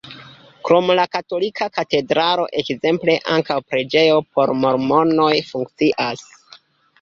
Krom la katolika katedralo ekzemple ankaŭ preĝejo por mormonoj funkcias.